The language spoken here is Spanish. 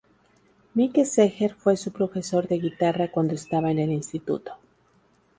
Mike Seeger fue su profesor de guitarra cuando estaba en el instituto.